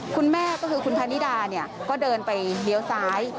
คุณแม่ก็คือคุณพนิดาก็เดินไปเลี้ยวซ้าย